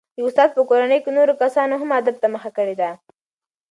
د استاد په کورنۍ کې نورو کسانو هم ادب ته مخه کړې ده.